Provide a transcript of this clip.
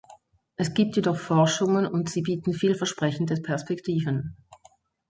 Es gibt jedoch Forschungen, und sie bieten viel versprechende Perspektiven.